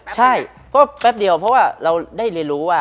ใช่ก็แป๊บเดียวเพราะว่าเราได้เรียนรู้ว่า